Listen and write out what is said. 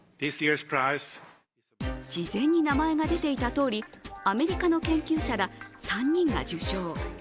事前に名前が出ていたとおりアメリカの研究者ら３人が受賞。